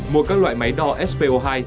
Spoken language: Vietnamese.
một các loại máy đo spo hai